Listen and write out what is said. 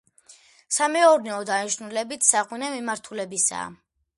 სამეურნეო დანიშნულებით საღვინე მიმართულებისაა.